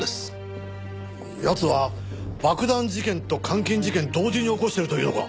奴は爆弾事件と監禁事件同時に起こしてるというのか？